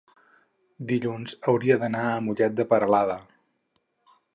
dilluns hauria d'anar a Mollet de Peralada.